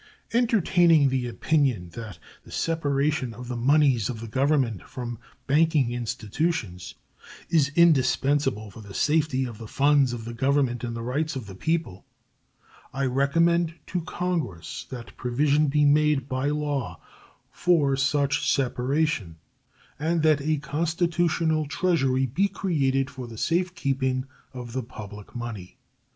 Entertaining the opinion that "the separation of the moneys of the Government from banking institutions is indispensable for the safety of the funds of the Government and the rights of the people," I recommend to Congress that provision be made by law for such separation, and that a constitutional treasury be created for the safe keeping of the public money.